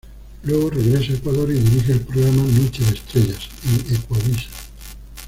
Luego regresa a Ecuador y dirige el programa "Noche de Estrellas" en Ecuavisa.